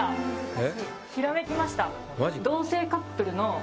ひらめきました。